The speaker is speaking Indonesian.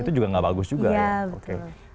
itu juga nggak bagus juga ya oke